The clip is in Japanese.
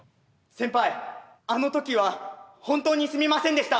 先輩あの時は本当にすみませんでした。